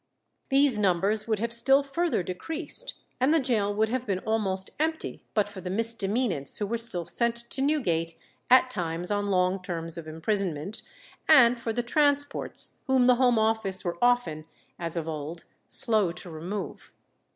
These numbers would have still further decreased, and the gaol would have been almost empty, but for the misdemeanants who were still sent to Newgate at times on long terms of imprisonment, and for the transports, whom the Home Office were often, as of old, slow to remove.